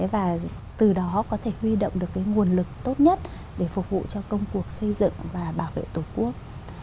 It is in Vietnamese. và từ đó có thể huy động được cái nguồn lực tốt nhất để phục vụ cho công cuộc xây dựng và bảo vệ tổ quốc